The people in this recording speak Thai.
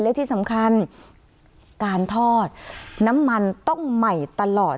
และที่สำคัญการทอดน้ำมันต้องใหม่ตลอด